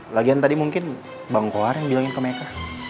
lagian tadi mungkin bang kowar yang bilangin ke mereka